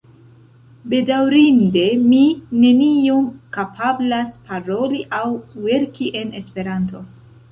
Bedaŭrinde mi neniom kapablas paroli aŭ verki en Esperanto.